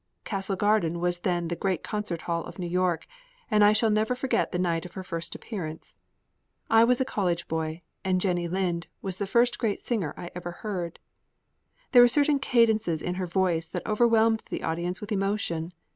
Castle Garden was then the great concert hall of New York, and I shall never forget the night of her first appearance. I was a college boy, and Jenny Lind was the first great singer I ever heard. There were certain cadences in her voice that overwhelmed the audience with emotion.